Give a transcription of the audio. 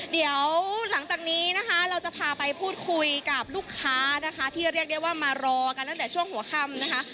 เดี๋ยวหลังจากนี้นะคะเราจะพาไปพูดคุยกับลูกค้านะคะที่เรียกได้ว่ามารอกันตั้งแต่ช่วงหัวค่ำนะคะ